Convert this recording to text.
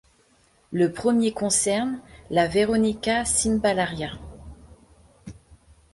Le premier concerne la Veronica cymbalaria.